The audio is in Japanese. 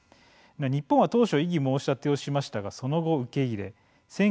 日本は当初異議申し立てをしましたがその後、受け入れ